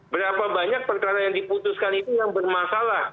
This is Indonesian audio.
berapa banyak perkara yang diputuskan itu yang bermasalah